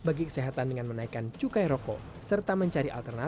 bagi kesehatan dengan menaikkan daya